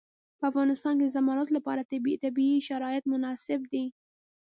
په افغانستان کې د زمرد لپاره طبیعي شرایط مناسب دي.